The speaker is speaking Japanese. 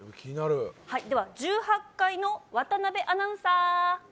１８階の渡辺アナウンサー。